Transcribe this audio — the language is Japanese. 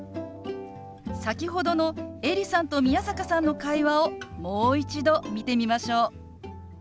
先ほどのエリさんと宮坂さんの会話をもう一度見てみましょう。